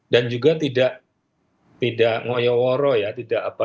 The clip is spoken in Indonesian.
dan juga tidak ngoyoworo ya